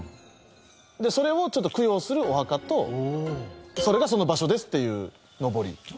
それをちょっと供養するお墓とそれがその場所ですっていうのぼり。